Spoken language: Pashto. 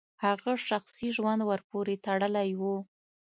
هغه شخصي ژوند ورپورې تړلی و.